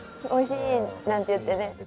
「おいしい」なんて言ってね。